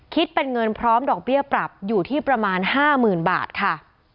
คิดเป็นเงินพร้อมดอกเบี้ยปรับอยู่ที่ประมาณ๕๐๐๐บาทค่ะ